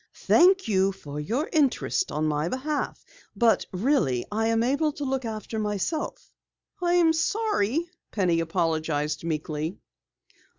Thank you for your interest in my behalf, but really, I am able to look after myself." "I'm sorry," Penny apologized meekly.